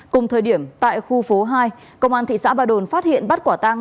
cùng thời điểm tại khu phố hai công an thị xã ba đồn phát hiện bắt quả tăng